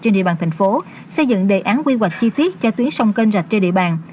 trên địa bàn thành phố xây dựng đề án quy hoạch chi tiết cho tuyến sông kênh rạch trên địa bàn